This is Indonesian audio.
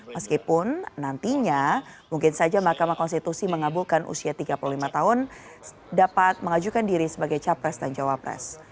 meskipun nantinya mungkin saja mahkamah konstitusi mengabulkan usia tiga puluh lima tahun dapat mengajukan diri sebagai capres dan cawapres